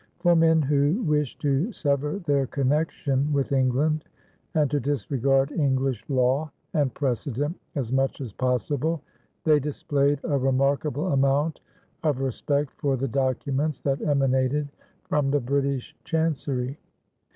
For men who wished to sever their connection with England and to disregard English law and precedent as much as possible, they displayed a remarkable amount of respect for the documents that emanated from the British Chancery.